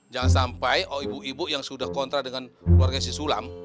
jangan sampai ibu ibu yang sudah kontra dengan keluarga si sulam